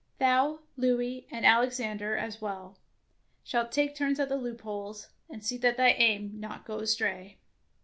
Thou, Louis, and Alexander as well, shalt take turns at the loopholes, and see that thy aim go not astray.